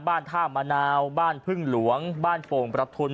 บ้านท่ามะนาวบ้านพึ่งหลวงบ้านโป่งประทุน